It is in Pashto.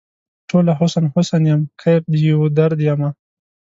ټوله حسن ، حسن یم کیف د یوه درد یمه